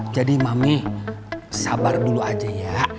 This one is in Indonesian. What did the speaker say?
jadi mami sabar dulu aja ya